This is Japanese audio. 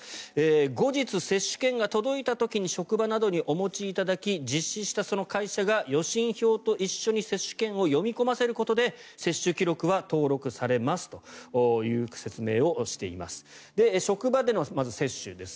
後日、接種券が届いたときに職場などにお持ちいただき実施した会社が予診票と一緒に接種券を読み込ませることで接種記録は登録されますという説明をされています。